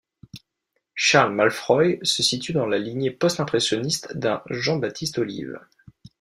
Charles Malfroy se situe dans la lignée post-impressionniste d'un Jean-Baptiste Olive.